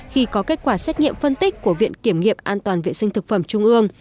khi có kết quả xét nghiệm phân tích của viện kiểm nghiệm an toàn vệ sinh thực phẩm trung ương